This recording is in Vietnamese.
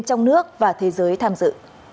trong nước và thế giới tham dự